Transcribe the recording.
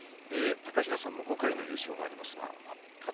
高平さんも５回優勝があります。